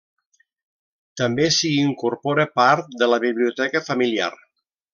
També s'hi incorpora part de la biblioteca familiar.